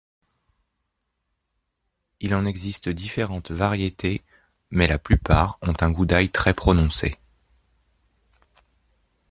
Il en existe différentes variétés, mais la plupart ont un goût d'ail très prononcé.